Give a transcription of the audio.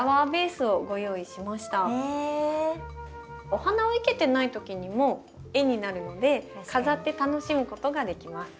お花を生けてない時にも絵になるので飾って楽しむことができます。